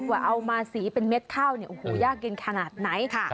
ว่าเอามาสีเป็นเม็ดข้าวเนี่ยโอ้โหยากเย็นขนาดไหน